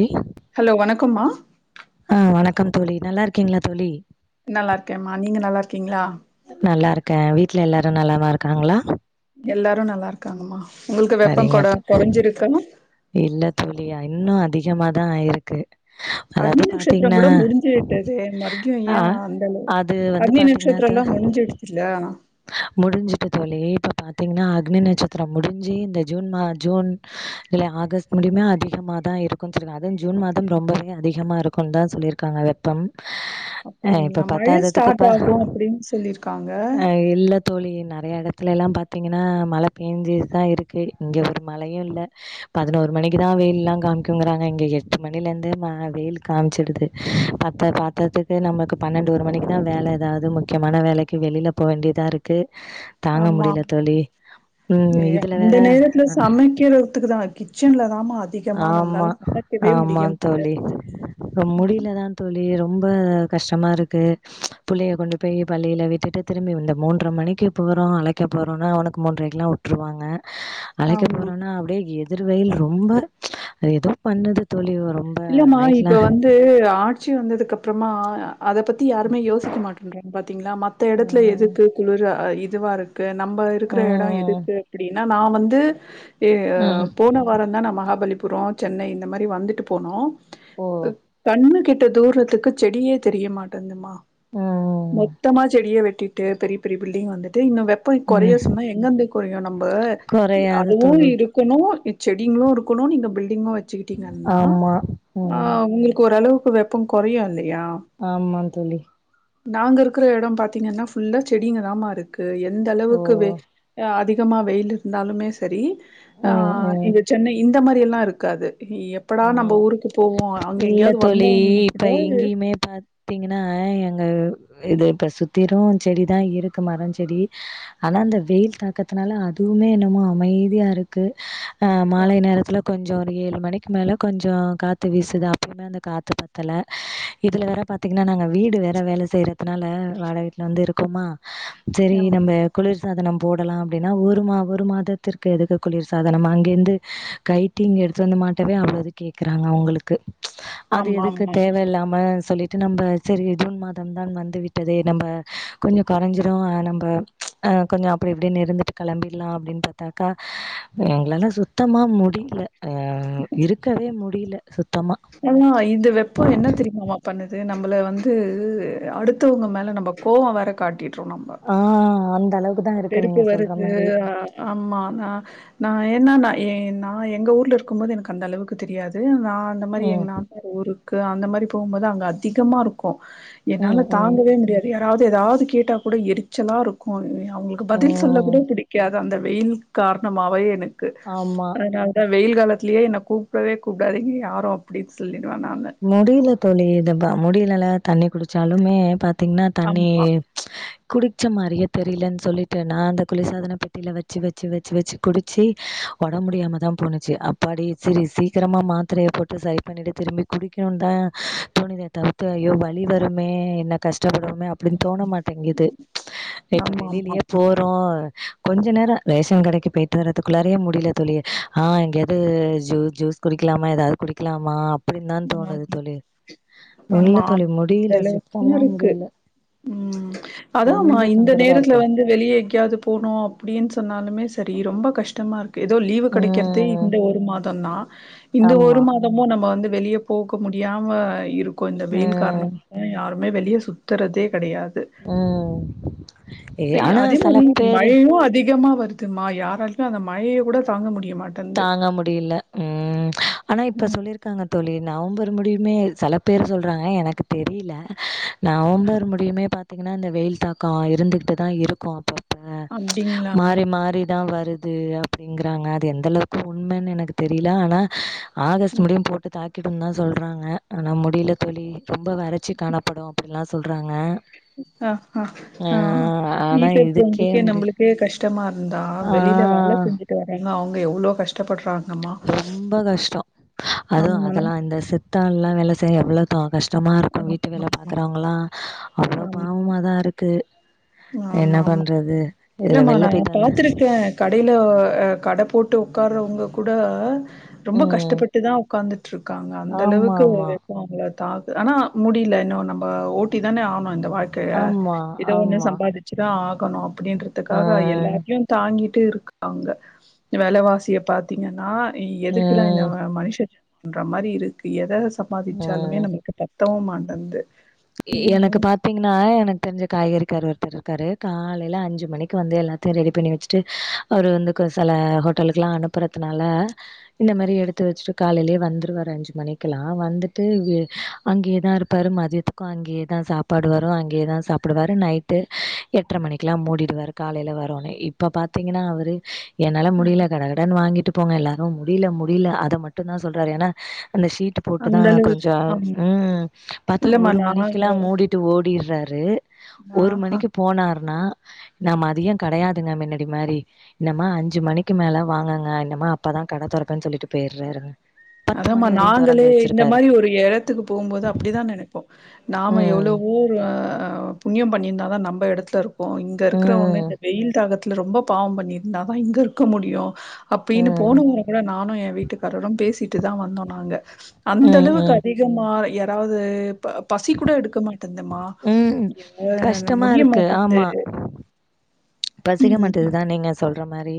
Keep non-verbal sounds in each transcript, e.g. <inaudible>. ழி ஹலோ வணக்கம்மா அ வணக்கம் தோழி நல்லார்க்கீங்ளா தோழி நல்லார்க்கேம்மா நீங்க நல்லார்க்கீங்ளா நல்லார்க்க வீட்ல எல்லாரு நலமாருக்காங்ளா எல்லாரு நல்லார்க்காங்கம்மா உங்குள்க்கு வெப்பம் சரிங்க கொட தோ கொறஞ்சிருக்கா இல்ல தோழி இன்னு அதிகமாதா ஆயிருக்கு அக்னி அதாவது பாத்தீங்கன்னா நக்ஷ்த்திரொகூட முடிஞ்சுட்டது மறுப்டியு ஆ ஏ அந்த அளவு அது வந்து அக்னி பாத்தீங்கன்னா த நச்சத்ரல்லா முஞ்சுட்துல்ல முடிஞ்சுட்டு தோழி இப்ப பாத்தீங்ன்னா அக்னிநட்சத்திர முடிஞ் ஞ்சு இந்த ஜூன் மா ஜூன் இ ஆகஸ்ட் முடியுமே அதிகமாதா இருக்குன் சொல்லிர் ஜூன் மாதம் ரொம்பவே அதிகமாருக்குன்தா சொல்லியிர்க்காங்க வெப்பம் அ இப்ப அப்டிங்களா மழ பத்தாததுக்கு ப ஸ்டார்ட் ஆகு அப்டின்னு சொல்லிருக்காங்க அ இல்ல தோழி நறைய எடத்துல்லா பாத்திங்கன்னா மழ பேஞ்சுதா இருக்கு இங்க ஒரு மழையு இல்ல பதினோரு மணிக்குதா வெயில்ல்லா காமிக்குங்கறாங்க இங்க எட்டு மணிலர்ந்து ம வெயில் காம்ச்சுடுது பத்த பாத்ததுக்கு நம்மளுக்கு பன்னெண்டு ஒரு மணிக்கு தா வேலை ஏதாவது முக்கியமான வேலைக்கு வெளியிலப் போ வேண்டியதா இருக்கு தாங்க ஆமா முடியல தோழி ம் ஏ இத் அந்த நேரத்துல சமைக்கிறதுக்கு தா கிச்சன்ல தாம்மா அத் ஆமா ஆமா தோழி மாட்டேன்து ரொம் முடியலதா தோழி ரொம்ப கஷ்டமாருக்கு புள்ளயை கொண்டு போய் பள்ளியில விட்டுட்டு திரும்பி வந்த மூன்ற மணிக்கு போறோ அழைக்க போறோம்னா அவனுக்கு மூன்றைக்குல்லா வுட் ட்ருவாங்க அழைக்க ஆமா போறோன்னா அப்படியே எதிர் வெயில் ரொம்ப அது ஏதோ பண்ணது தோழி ரொம் இல்லாம இப்ப வந்து ஆட்சி வந்ததுக்கு அப்புறமா அத பத்தி யாருமே யோசிக்க மாட்டேன்றாங்க பாத்திங்களா மத்த இடத்துல ம், எதுக்கு குளிர இதுவா இருக் க்கு நம்ம இருக்கிற இடம் ம், எதுக்கு அப்படின்னா நா வந்து எய ம். போன வாரோந்தா நா மகாபலிபுரம் சென்னை இந்த மாரி வந்துட்டு போனோ ஓ! ப் கண்ணுக்கு எட்டுன தூரத்துக்கு செடியே தெரிய மாட்டேந்துமா ம், மொத்தமா செடிய வெட்டிட்டு பெரிய பெரிய பில்டிங் வந்துட்டு இன்னு வெப் ப்பவு கொறைய ம். சொன்னா எங்கந்து கொறையு நம்ப இ குறையாது அதுவு தோழி. இருக் க்கணு இச் செடிங்களு இருக்கணு நீங்க பில்டிங்கு வச்சுக்கிட்டீங்கன்னா ஆமா, ஆ ம். உங்களுக்கு ஓரளவுக்கு வெப்பம் குறையு இல்லையா ஆமா தோழி நாங்க இருக்கிற எடம் பாத்தீங்கன்னா ஃபுல்லா செடிங்க தாமா இருக் க்கு எந்த ஓ! அளவுக்கு வெ அதிகமா வெயில் இருந்தாலுமே சரி ஆ ம், ம். இந்தத் சென்னை இந்த மாரி எல்லா இருக்காது எப்படா நம் ப ம் ஊருக்கு போவோ அங்க எங்கேயாவது வந்தவங்க கிட்ட எது மே பத் தீங்கன்னா எங்க இது இப்ப சுத்திரு செடி தா இருக்கு மரோ செடி ஆனா அந்த வெயில் தாக்கத்துனால அதுவுமே என்னமோ அமைதியா இருக்கு ஆ அ மாலை நேரத்தில கொஞ்சோ ஒரு ஏழு மணிக் க்கு மேலே கொஞ்சோ காத்து வீசுது அப்பையுமே அந்த காத்து பத்தல இதுல வேற பத் தீங்கன்னா நாங்க வீடு வேற வேல செய்யறதுனால வாடக வீட்டல வந்து இருக்கோமா செரி நம்ப குளிர் சாதனம் போடலாம் அப்டின்னா ஒரு மா ஒரு மாதத்திற்கு எதுக்கு குளிர் சாதனம் அங்கிருந்து கைட்டி இங்க எடுத்து வந்து மாட்டவே அவ்ளோது கேக்குறாங்க அவங்களுக்கு ம்ச் அது ஆமா எதுக்கு ஆமாமா. தேவயில்லாம் நம்ம சொல்லிட்டு நம்ம செரி ஜூன் மாதம் தான் வந்து விட்டதே நம்ம கொஞ்சோ கொறைஞ்சிரு நம்ப ம்ச் அ கொஞ்ச அப்படி இப்படினு இருந்துட்டு கிளம்பிடலா அப்டின்னு பாத்தாக்கா எங்களால சுத் தமா முடியில ஆ இருக்கவே முடியல சுத்தமா ஏனா இந்த வெப்போ என்ன தெரியுமா மா பண்ணுது நம்பள வந்து ஆ அடுத்தவங்க மேல நம்ப கோவோ வேற காட்டிடுறோ நம்ப ஆ அந்த அளவுக் வெருப்பு வருது ஆமா ஆனா நா ஏனா நா எ நா எங்க ஊர்ல இருக்கும் போது எனக்கு அந்த அளவுக்கு தெரியாது நா அந்த மாரி ம் எங் நாத்தனார் ஊருக்கு அந்த மாரி போகும்போது அங்க அதிகமா இருக்கு ம் என்னால தாங் ம் கவே முடியாது யாராவது ஏதாவது கேட்டா கூட எரிச்சலாருக்கு <unintelligible> அவங்களுக்கு பதில் சொல்ல கூட ம் பிடிக்காது அந்த வெயில் காரணமாவே எனக்கு ஆமா அதனால அ வெயில் காலத்திலயே என்ன கூப்பிடவே கூப்டாதீங்க யாரு அப்டின்னு சொல்லிடுவே நானு முடியல தோழி இதப முடியலல தண்ணி குடிச்சாலுமே பாத்திங்னா தண்ணி ஆமா ம்ச் குடிச்ச மாரியே தெரியலன்னு சொல்லிட்டு நா அந்த குளிர்சாதன பெட்டியில வச்சு வச்சு வச்சு வச்சு குடிச்சி உடம்பு முடியாம தா போணுச்சு அப்பாடி செரி சீக்கிரமா மாத்திரைய போட்டு சரி பண்ணிட்டு திரும்பி குடிக்கணுதா தோணுதே தவிர்த்து ஐயோ வலி வருமே என்ன கஷ்டப்படுவோமே அப் டி தோண மாட்டேங்கிது இப்ப ஆமா ஆமா ஆமா வெளியிலயே போ றோ கொஞ்ச நேரொ ரேஷன் கடைக்கி போயிட்டு வர்றதுக்குள்ளாரயே முடிய்ல தோழி ஆ எங்கையாது ஜூஸ் குடிக்லாமா ஏதாவ்து குடிக்லாமா அப் அ இல்ல ஆமா அ தோழி முடியல. <unintelligible> சுத்தமா இருக்கு முடியல. ம் அதாமா ரொம்ப இந்த தொந்தரவா நேரத்துல இருக்கு. வந்து வெளிய எங்கையாவ்து போணு அப்டின் சொன்னாலுமே செரி ரொம்ப கஷ்டமா இருக் க்கு ஏதோ லீவு கெடைக்கற்தே ம். இந்த ஒரு மாதொந்தா இந்த ஒரு ஆமா. மாதமு நம்ம வந்து வெளிய போக முடியாம இருக்கு இந்த வெயில் காரண ம். ஆ யாருமே வெளிய சுத்தறதே கடையாது ம் ஏ ஆனா அதே செல மாரி பேரு மழையு அதிகமா வரு துமா யாராச்சு அந்த மழய கூட தாங்க முடிய மாட் தாங்க முடியில ம் ஆனா இப்ப ம் சொல்லிருக் காங்க தோழி நவம்பர் முடியுமே செல பேர் சொல்றாங்க எனக்கு தெரிய்ல நவம்பர் முடிய்மே பாத்தீங்கன்னா இந்த வெயில் தாக்கொ இருந்துக்குட்டுதா இருக்கு அப்ப அ அப்டிங்களா மாறி மாறிதா வருது அப்டிங்கிறாங்க அது எந் தளவுக்கு உண்மனு எனக்கு தெரியில ஆனா ஆகஸ்ட் முடியும் போட்டு தாக் கிடும் தா சொல்றாங்க ஆனா முடிய்ல தோழி ரொம்ப வறச்சி காணப்படு அப்டின்லா சொல்றாங்க அ அ அ ஆ ஆனா வீட்ல இதுக்கே இருக்குறவங்களுக்கே முடியல நம்மளுக்கே கஷ்டமா இருந்தா வெளியில வேல ஆ செஞ்சு ட்டு வராங்க அவ்ங்க எவ்ளோ கஷ் ட்டப்பட்றாங்கம்மா ரொம்ப கஷ்டொ அதுவு ஆமாண்ணா அதெல்லா இந்த சித்தாள்லா வேல செய்ய எவ்ளோ தொ கஷ்டமா இருக்கு ஆமா வீட்டு வேல பாக்குறவங்களா அவ்ளோ ஆமா பாவமாதா இரு க்கு என்ன பண்றது இதுல இல்லமா வெளில நா போயிட்டு வந்து பாத்துருக்க கடையில கட போட்டு உக்கார்றவங்க கூட ரொம்ப ம். கஷ்டப்பட்டு தா உக்காந்துட்ருக்காங்க அந்தளவுக்கு ஆமாமா. அவ்ங்க தா ஆனா முடிய்ல இன்னு நம்ப ஓட்டி தான ஆவ்ணு இந்த வாழ் க்கைய ஆமா, எதோ ஒண்ணு ஆமா. சம்பாதிச்சுதா ஆகணு அப்டின்றதுக்காக அ ம். எல்லாத்தையு தாங்கிட்டு இருக் காங்க வெலவாசிய பாத்தீங்கன்னா எதுக்குதா இந்த ம். ஆ மனுஷ <inaudible> பண்ற மாறி இருக்கு எத சம்பாதிச்சாலுமே ம். நம்ளுக்கு பத்தவு மாட்டன்து எ எனக்கு பாத்தீங்கன்னா எனக்கு தெரிஞ்ச காய்கறி காரு ஒருத்தர் இருக்காரு காலைல அஞ்சு மணிக்கு வந்து எல்லாத் தியு ரெடி பண்ணி வெச்சுட்டு அவரு வந்து க செல ஹோட்டலுக்குலா அனுப்புறத்துனால இந்த மாரி எடுத்து வச்சுட்டு காலைய்லயே வந்த்ருவாரு அஞ்சு மணிக்குல்லா வந்துட்டு வு அங்கேயேதா இருப்பாரு மதியத் க்கு அங்கயேதா சாப்பாடு வரு அங்கேயேதா சாப்டுவாரு நைட்டு எட்ர மணிக்லா மூடிடுவாரு காலைல வரோன்னே இப்போ பாத்தீங்கன்னா அவரு என்னால முடிய கட கடன்னு வாங்கிட்டு போங்க எல்லா முடில முடில அத மட்டுந்தா சொல்றாரு ஏன்னா அந்த ஷீட்டு போட்டு தா அந்த அளவுக்கு கொஞ்சொ ஆமா. ம் பாத்தா இல்லம்மா ஒரு நாங்க மணிக்கில்லா மூடிட்டு ஓடிர்றாரு ஒரு ஆஹா. மணிக்கி போனார்னா நா மதியொ கடையாதுங்க மின்னாடி மாரி இன்னம்மா அஞ்சு மணிக்கு மேல வாங்கங்க இன்னம்மா அப்பதா கட தொரப்பன் சொல்லிட்டு பேய்றாருங்க அதாமா நாங்களே இந்த மாரி ஒரு எடத்துக்கு போம்போது அப்டிதா நெனப்போ நாம ம். எவ்வளவோ ஆ புண்ணியம் பண்ணியிருந்தாதா நம்ப எட்த்துல இரு க்கோ இங்க இருக்குறவங்க இந்த ம். வெயில் தாக்கத்துல ரொம்ப பாவம் பண்ணிருந்தா தா இங்க இருக்க முடியு அப்பின்னு ம். போனவரோ கூட நானு எ வீட்டுக்காரரு பேசிட்டு தா வந்தோ நாங்க அந்த ம். அளவுக்கு ம். அதி கமா யாராவது ப பசி கூட எடுக்க‌ மா டிந்தந்தமா ம். எவ்ள கஷ்டமா முடிய இருக்கு. மாட்டேங்குது பசிக மாட்டது தா நீங்க சொல்ற மாறி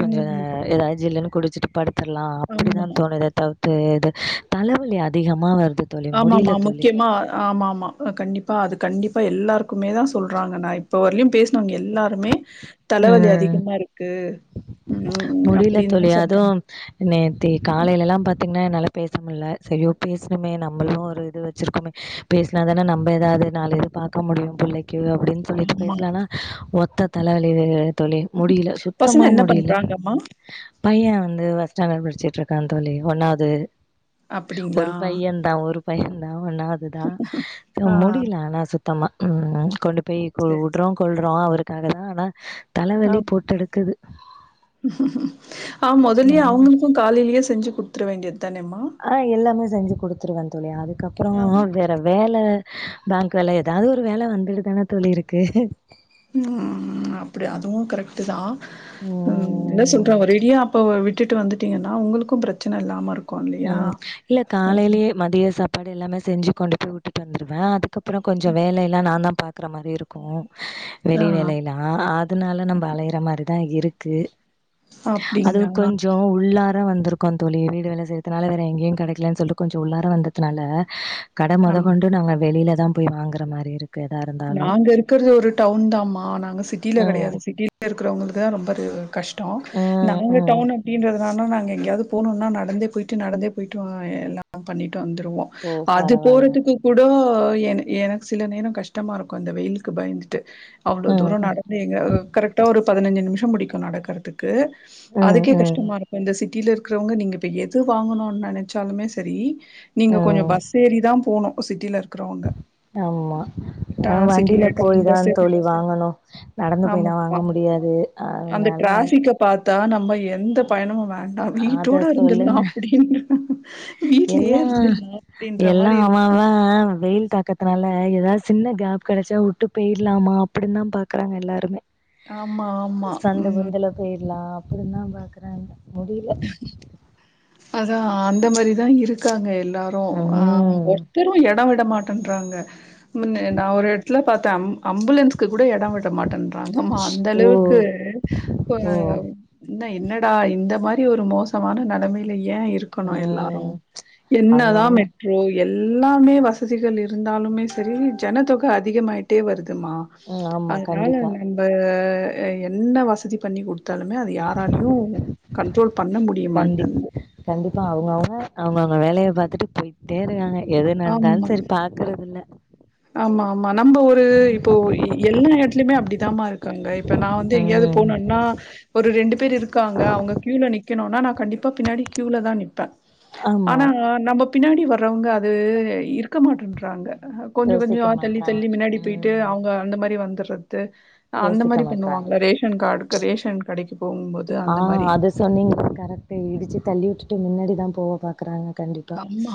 கொஞ்ச ம். ஏதாவது ஜில்லுன்னு குடிச்சிட்டு படு லா அப்டிதா ஆமா. தோணுது தவித்து இது தலைவலி அதிகமா வருது தோழி ஆமாம்மா முடியல தோழி முக்கியமா ஆமாம்மா கண்டிப்பா அது கண்டிப்பா எல்லாருக்குமே தா சொல்றாங்க நா இப்ப வரையலயு பேசினவங்க எல்லாருமே தலைவலி ம் அதிகமா இருக்கு ம் முடியல அப்டின்னு தா தோழி சொல்றாங்க அதுவும் நேத்தி காலையில எல்லா பாத்தீங்கன்னா என்னால பேச முல்ல ஐயோ பேசணுமே நம்மளு ஒரு இது வச்சிருக்குமே பேசினாதானே நம்ம ஏதாவது நாலு இது பாக்க முடியு புள்ளைக்கு அப்டின்னு சொல்லிட்டு ஆமா. பேசலானா ஒத்த தலைவலி தோழி முடியல பசங்க சுத்தமா என்ன முடியல பண்றாங்கம்மா? பைய வந்து பஸ்ட் ஸ்டாண்டேட் படிச்சிட்டு இருக்கான் தோழி ஒன்னாது அப்படிங்களா? ஒரு பையன் தா ஒரு பைய தா ஒன்னாது தா ஆ முடியல ஆனா சுத் சுத்தமா ம் கொண்டு போய் சரி. சரி. வுடுறோ கொல்றோ அவருக்காக தா ஆனா ஆ தலவலி போட்டெடுக்குது ஆ மொதல்யே ம் அவங்களுக்கு காலையிலேயே செஞ்சு குடுத்துர வேண்டி தானேம்மா ஆ எல்லாமே செஞ்சு குடுத்துருவே தோழி அதுக்கப்பற ஆ. வேற வேல பேங்க் வேல ஏதாவது ஒரு வேல வந்துட்டு தானே தோழி இருக்கு ம் அப்டி அதுவு கரெக்ட் தா ம் என்ன சொல்ற ஒரு அடியா அப்ப விட் விட்டு வந்துட்டீங்கன்னா உங்களுக்கு பிரச்சனை இல்லாம இருக் ம் இல்ல காலையிலே மதிய சாப்பாடு எல்லாமே செஞ்சு கொண்டு போய் வுட்டுந்துடுவே அதுக்கப்பறோ கொஞ்ச வேலைல்லா நா தா பாப் இருக்குற மாறி இருக்கு ஆ வெளி வேலையில யா அதனால நம்ம அலையற மாறி தா இருக்கு அதுவு அப்டிங்களா கொஞ்சோ உள்ளார வந்திருக்கோ தோழி வீடு வேல செய்யறதுனால வேற எங்கேயு கெடைக்கலன்னு சொல்லிட்டு கொஞ்சோ உள்ளார வந்ததுனால கடை மொத அம் கொண்டு நாங்க வெளில தா போய் வாங்கற மாரி இரு நாங்க இருக்குறது ஒரு டவுன் தாம்மா நாங்க சிட்டியில ம். கெடையாது சிட்டில இருக்கிறவங்களுக்கு தா ரொம்ப கஷ்டோ ம், நாங்க ம். டவுனு அப்டின்றதுனால நாங்க எங்கேயாவது போணுன்னா நடந்தே போய்ட்டு நடந்தே போய்ட்டு எல்லா பண்ணிட்டு வந்துருவோ ஓ! அது பரவால்ல. போறதுக்கு கூடோ எனக் எனக்கு சில நேரம் கஷ்டமா இருக்கு இந்த வெயிலுக்கு பயந்து ட்டு அவ்ளோ ம், தூரம் ம். நடந்து எங்க கரெக்டா ஒரு பதினஞ்சு நிமிஷம் முடிக்கும் நடக்கறதுக் கு ம், அதுக்கே ம். கஷ்டமா இரு இப்ப இந்த சிட்டியில இருக்கிறவங்க நீங்க இப்போ எது வாங்கணும்னு நெனைச்சாலுமே சரி நீங்க கொஞ்சோ ம். பஸ் ஏறிதா போனு சிட்டில இருக்கறவங்க ஆமா ஆ வண்டியில போய டவுன் தா பஸ்ஸு தோழி வாங்கணு நடந்து ஆமா போயெல்லா ஆமா. வாங்க முடியாது அந்த அதனால டிராஃபிக்க பாத்தா நம்ம எந்த பயணமு வே ண்டா அத வீட்டோட இருந்தலா சொல்லுங்க. அப்டின்னு வீட்லயே எல்லா இருந்துலா எல்லா அவஅவ வெயில் தாக்கத் தினால ஏதாவது சின்ன கேப் கிடைச்சா விட்டு போயிடலாமா அப்டின்னு தா பாக்குறாங்க எல்லாருமே ஆமா ஆமா. சந்து ம். புந்தல போயிரலா அப்டி தா பாக்குறாங்க முடியல அதா அந்த மாதிரிதா இருக்காங்க எல்லாரு ஆ ஓ ம் திரும்ப எடோ விட மாட்டேன்றன்றாங்க நா ஒரு எடத்துல பாத்தே அம் அம்புலன்ஸ் கூட எடோ விட்ட மாட்டேறாங்க ஆமா அந்த ஓ அளவுக்கு இப்போ ஓ என்ன என்னடா இந்த மாதிரி ஒரு மோசமான நிலமையில ஏன் இருக் கணு எல்லாரு ம் என்னதா அவங்கவுங்க ப்ரோ எல்லாமே வசதிகள் இருந்தாலுமே சரி ஜனதொகை அதிகமாயிட்டே வருதுமா ம் ஆமா அதனால கண்டிப்பா நான் அ என்ன வசதி பண்ணி கொடுத்தாலுமே அது யாராலயு கண்ட்ரோல் பண்ண முடிய கண்டி மாட்டேன்து. கண்டிப்பா அவங்க அவங்க அவங்க அவங்க வேலைய பார்த்துட்டு போயி தேரு நாங்க எது நடந்தாலு ஆமா, சரி பாக்குறது இல்ல ஆமா ஆமா நம்ம ஒரு இப்போ எல்லா இடத்துலயுமே அப்டிதாமா இருக்கு இருக்காங்க இப்ப நா வந்து எங்கேயாவது ம் போனன்னா ஒரு ரெண்டு பேர் இருக்காங்க அவங்க கியூல நிற்கணும்னா நா கண்டிப்பா பின்னாடி கியூல தா நிப்பே ஆமா ஆனா நம்ம பின்னாடி வர்றவங்க அது இருக்க மாட்டேன்றாங்க கொஞ்சோ கொஞ்சோ யோசிக்க ஆ தள்ளி மாட்றாங்க தள்ளி பின்னாடி போயிட்டு ட்டு ம் அவங்க அந்த மாதிரி வந்துறது அந்த யோசிக்க மாதிரி மாட்றாங்க பண்ணுவாங்க ரேஷன் கார்டுக்கு ரேஷன் கெடைக்கு ஆ அதை சொன்னீங்க கரெக்ட் இடிச்சு தள்ளி விட்டுட்டு முன்னாடிதா போவ பாக்குறாங்க கண்டிப்ப ஆமா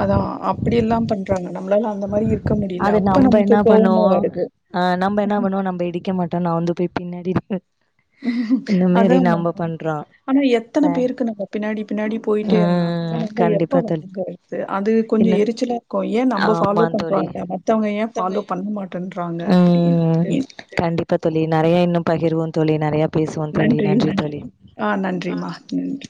அதா அப்டி எல்லா பண்றாங்க நம்மளால அந்த மாதிரி இரு அது நம்ம என்ன பண்ணுவோ ஆ நம்ம என்ன பண்ணுவோ நம்ம இடிக்க மாட்டோ நா வந்து போய் பின்னாடி இருக்கு ம் அதாமா பண்றோ ஆனா எத்தனை ச பேருக்கு நம்ம பின்னாடி பின்னாடி போயிட்டே இருந்தா அ ம் நம்ம கண்டிப்பா எப்ப தோழி அது கொஞ்சோ என்ன எரிச்சலா கோ ஏன் நம்ம்ப ஃபாலோ ஆமா தோழி பண்றாங்க மத்த வங்க ஏ ஃபாலோ பண்ண மாட்டேன்றாங்க அப்டின்னு அங்கயே இருக்கட்டு கண்டிப்பா தோழி நறையா இன்னு பகிர்வோ தோழி நிறைய பேசுவோ தோழி நன்றி தோழி ஆ நன்றிம்மா நன்றி.